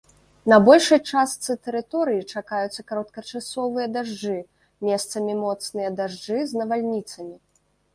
На большай частцы тэрыторыі чакаюцца кароткачасовыя дажджы, месцамі моцныя дажджы з навальніцамі.